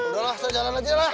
udah lah terjalan lagi lah